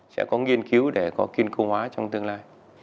sẽ có nghiên cứu để có kiên cư hóa trong tương lai